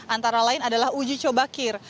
antara lain adalah uji coba kir